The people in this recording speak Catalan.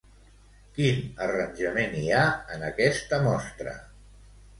Quin arranjament hi ha en aquesta mostra?